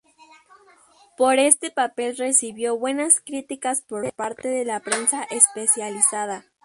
Por este papel recibió buenas críticas por parte de la prensa especializada.